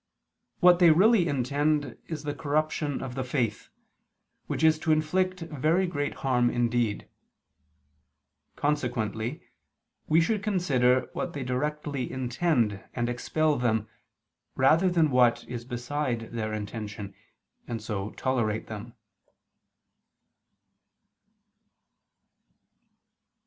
What they really intend is the corruption of the faith, which is to inflict very great harm indeed. Consequently we should consider what they directly intend, and expel them, rather than what is beside their intention, and so, tolerate them.